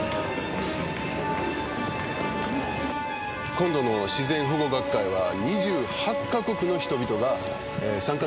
今度の自然保護学会は２８か国の人々が参加する事になりました。